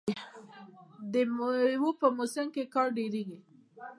د میوو په موسم کې کار ډیریږي.